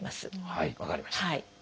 はい分かりました。